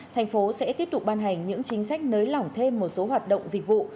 thành phố sẽ tiếp tục ban hành những chính sách nới lỏng thêm một số hoạt động dịch vụ